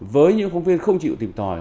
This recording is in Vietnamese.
với những phóng viên không chịu tìm tòi